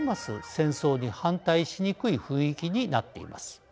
戦争に反対しにくい雰囲気になっています。